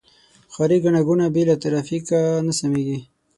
ښاري ګڼه ګوڼه بې له ترافیکه نه سمېږي.